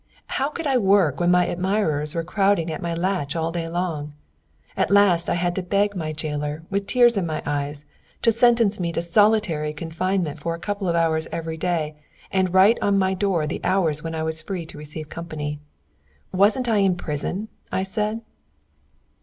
How could I work when my admirers were crowding at my latch all day long? At last I had to beg my jailer, with tears in my eyes, to sentence me to solitary confinement for a couple of hours every day, and write on my door the hours when I was free to receive company. "Wasn't I in prison?" I said.